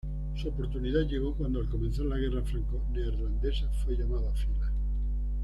Su oportunidad llegó cuando al comenzar la guerra franco-neerlandesa fue llamado a filas.